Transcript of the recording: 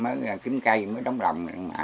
mới kiếm cây mới đóng lầm